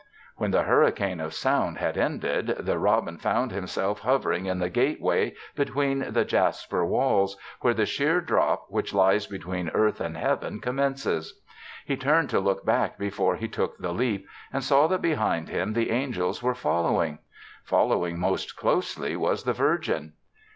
When the hurricane of sound had ended, the robin found himself hovering in the gateway between the jasper walls, where the sheer drop which lies between earth and Heaven commences. He turned to look back before he took the leap and saw that behind him the angels were following. Following most closely was the Virgin.